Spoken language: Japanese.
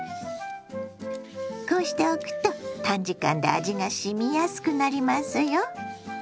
こうしておくと短時間で味がしみやすくなりますよ。